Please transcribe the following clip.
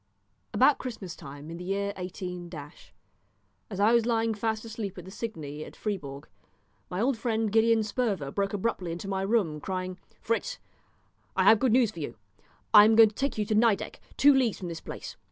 About Christmas time in the year 18 , as I was lying fast asleep at the Cygne at Fribourg, my old friend Gideon Sperver broke abruptly into my room, crying "Fritz, I have good news for you; I am going to take you to Nideck, two leagues from this place.